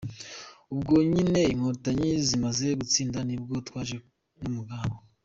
Ubwo nyine Inkotanyi zimaze gutsinda ni bwo twaje n’umugabo.